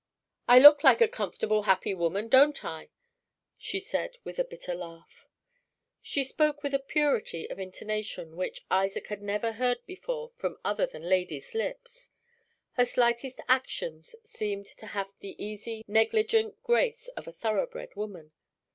"I look like a comfortable, happy woman, don't I?" she said, with a bitter laugh. She spoke with a purity of intonation which Isaac had never heard before from other than ladies' lips. Her slightest actions seemed to have the easy, negligent grace of a thoroughbred woman.